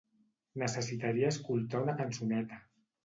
Necessitaria escoltar una cançoneta.